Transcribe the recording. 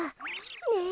ねえ。